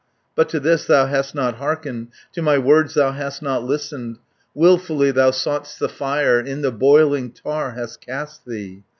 220 "But to this thou hast not hearkened, To my words thou hast not listened, Wilfully thou sought'st the fire, In the boiling tar hast cast thee.